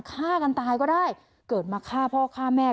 ฆ่ากันตายก็ได้เกิดมาฆ่าพ่อฆ่าแม่